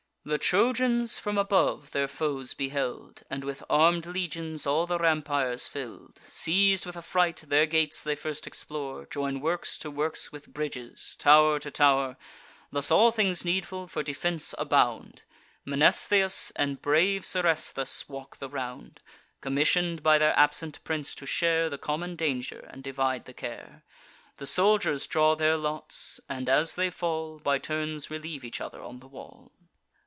The Trojans, from above, their foes beheld, And with arm'd legions all the rampires fill'd. Seiz'd with affright, their gates they first explore; Join works to works with bridges, tow'r to tow'r: Thus all things needful for defence abound. Mnestheus and brave Seresthus walk the round, Commission'd by their absent prince to share The common danger, and divide the care. The soldiers draw their lots, and, as they fall, By turns relieve each other on the wall.